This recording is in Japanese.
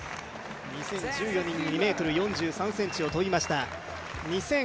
２０１４年に２ｍ４３ｃｍを跳びました。